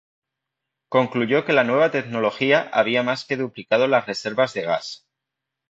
Concluyó que la nueva tecnología había más que duplicado las reservas de gas.